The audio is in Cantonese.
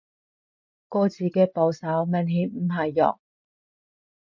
個字嘅部首明顯唔係肉